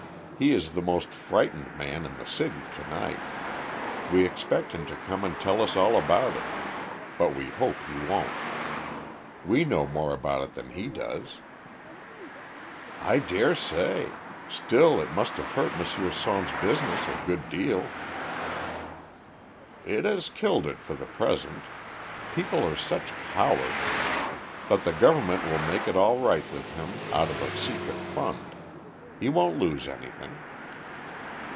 He is the most frightened man in the city to night. We expect him to come and tell us all about it, but we hope he won't. We know more about it than he does." "I dare say; still it must have hurt M. Sonne's business a good deal." "It has killed it for the present. People are such cowards. But the Government will make it all right with him out of the secret fund. He won't lose anything."